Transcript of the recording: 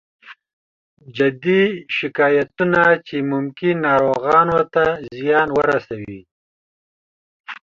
جدي شکایتونه چې ممکن ناروغانو ته زیان ورسوي